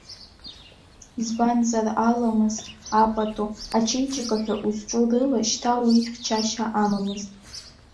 Избанзар, аламыс, апату, ачеиџьыка ҳәа узҿу рыла шьҭа уи хьчашьа амамызт.